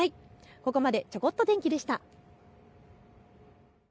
ここまでちょこっと天気でした。